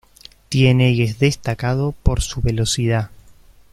Tiene y es destacado por su velocidad.